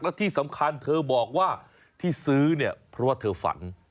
และที่สำคัญเธอบอกว่าที่ซื้อเนี่ยเพราะว่าเธอฝัน